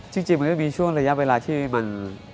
จริงมันก็มีช่วงระยะเวลาที่มัน